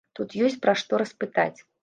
Тут ёсць пра што распытаць.